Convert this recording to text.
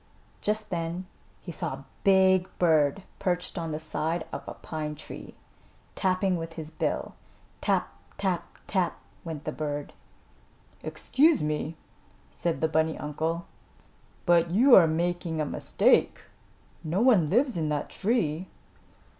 Just then he saw a big bird perched on the side of a pine tree, tapping with his bill. "Tap! Tap! Tap!" went the bird. "Excuse me," said the bunny uncle, "but you are making a mistake. No one lives in that tree."